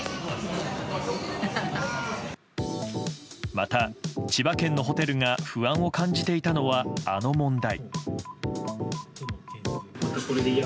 また、千葉県のホテルが不安を感じていたのは、あの問題。